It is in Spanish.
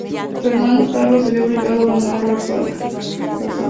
Fernando Carlos se vio obligado a abandonar Varsovia.